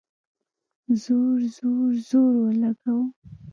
زور ، زور، زور اولګوو